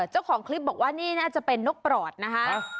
เจ้าของคลิปบอกว่านี่น่าจะเป็นนกปลอดนะคะ